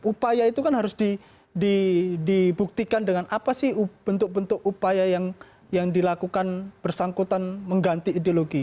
upaya itu kan harus dibuktikan dengan apa sih bentuk bentuk upaya yang dilakukan bersangkutan mengganti ideologi